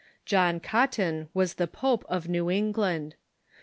John Cotton was the pope of New England.